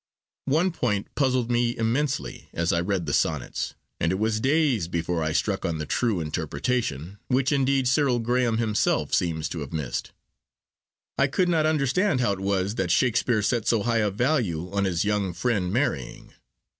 One point puzzled me immensely as I read the Sonnets, and it was days before I struck on the true interpretation, which indeed Cyril Graham himself seems to have missed. I could not understand how it was that Shakespeare set so high a value on his young friend marrying.